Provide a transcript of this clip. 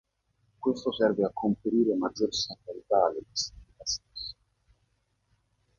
Questo serve a conferire maggior sacralità alle festività stesse.